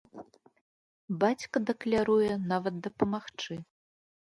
Бацька дакляруе нават дапамагчы!